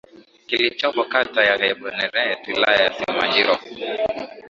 kilichopo kata ya Emboret wilaya ya Simanjiro